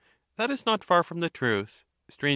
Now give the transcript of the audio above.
That is not far from the truth. Str.